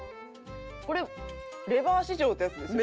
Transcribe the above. これレバー史上ってやつですね。